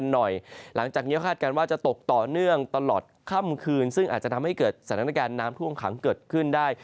อาจจะเจอฝนตกหนักในบางพื้นที่